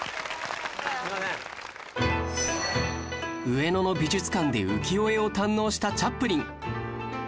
上野の美術館で浮世絵を堪能したチャップリン